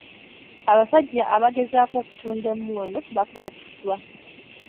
Abasajja abagezaako okutunda emmundu bakwatiddwa.